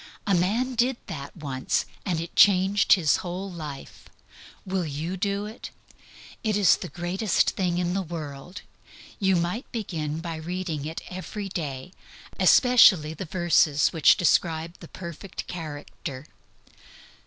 A man did that once and it changed his whole life. Will you do it? It is for the greatest thing in the world. You might begin by reading it every day, especially the verses which describe the perfect character.